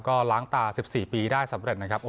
ก็ล้างตา๑๔ปีได้สำเร็จนะครับ